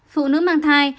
phụ nữ mang thai